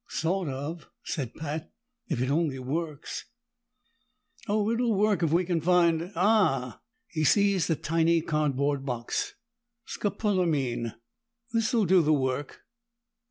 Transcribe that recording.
"Sort of," said Pat. "If it only works!" "Oh, it'll work if we can find ah!" He seized a tiny cardboard box. "Scopolamine! This'll do the work."